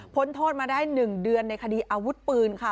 โทษมาได้๑เดือนในคดีอาวุธปืนค่ะ